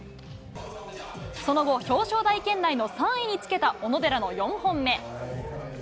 その後、表彰台圏内の３位につけた小野寺の４本目。